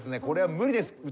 これは無理です。